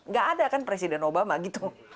gak ada kan presiden obama gitu